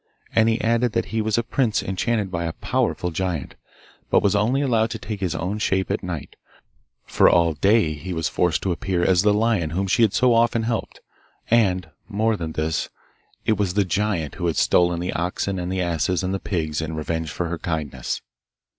And he added that he was a prince enchanted by a powerful giant, but was only allowed to take his own shape at night, for all day he was forced to appear as the lion whom she had so often helped; and, more than this, it was the giant who had stolen the oxen and the asses and the pigs in revenge for her kindness.